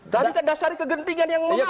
dari dasar kegentingan yang lu maksa